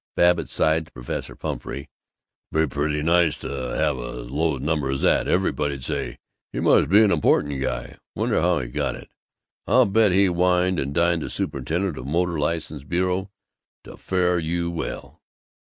Babbitt sighed to Professor Pumphrey, "Be pretty nice to have as low a number as that! Everybody'd say, 'He must be an important guy!' Wonder how he got it? I'll bet he wined and dined the superintendent of the Motor License Bureau to a fare you well!"